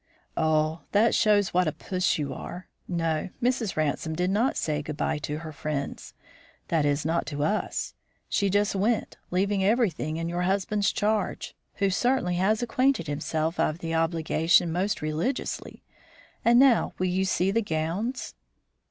"Oh, that shows what a puss you are. No, Mrs. Ransome did not say good by to her friends, that is, not to us. She just went, leaving everything in your husband's charge, who certainly has acquitted himself of the obligation most religiously. And now will you see the gowns?"